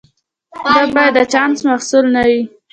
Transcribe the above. دا باید د چانس محصول نه وي.